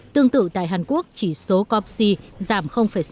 tương tự tại hàn quốc chỉ số copsi giảm sáu